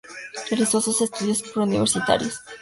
Realizó sus estudios preuniversitarios en Buenos Aires.